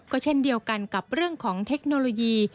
ก็เช่นเดียวกันกับเรื่องของเทคโนโลยี